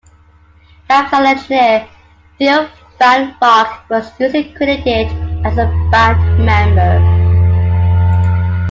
Live sound engineer Theo Van Rock was usually credited as a band member.